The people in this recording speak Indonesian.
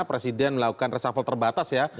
presiden melakukan resafel terbatas ya